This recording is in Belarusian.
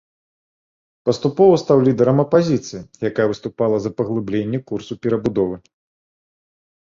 Паступова стаў лідарам апазіцыі, якая выступала за паглыбленне курсу перабудовы.